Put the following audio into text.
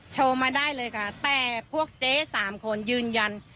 โชว์มาได้เลยค่ะแต่พวกเจ๊สามคนยืนยัน